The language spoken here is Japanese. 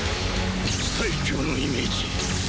最強のイメージ。